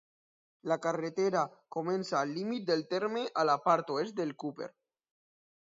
La carretera comença al límit del terme a la part oest de Cooper.